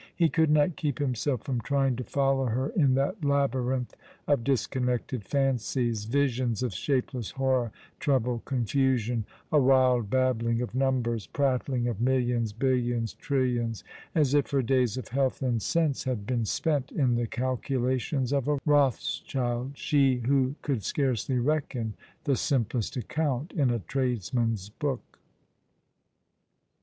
He could not keep himself from trying to follow her in that labyrinth of disconnected fancies — visions of shapeless horror, trouble, confusion — a wild babbling of numbers, prattling of millions, billions, trillions — as if her days of health and sense had been spent in the calculations of a Rothschild, she who could scarcely reckon the simplest account in a tradesman's book.